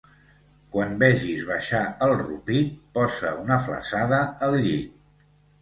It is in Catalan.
Quan vegis baixar el rupit, posa una flassada al llit